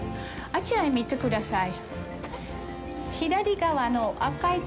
あちらを見てください。